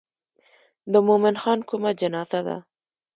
د مومن خان کومه جنازه ده.